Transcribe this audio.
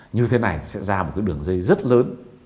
như thế này sẽ ra một cái đường dây rất lớn